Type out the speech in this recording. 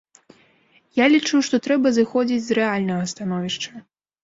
Я лічу, што трэба зыходзіць з рэальнага становішча.